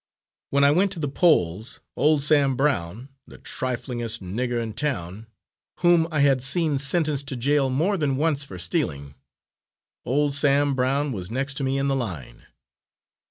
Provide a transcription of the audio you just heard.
When I went to the polls, old Sam Brown, the triflingest nigger in town, whom I had seen sentenced to jail more than once for stealing old Sam Brown was next to me in the line.